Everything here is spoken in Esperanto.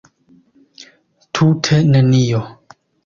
Tute nenio!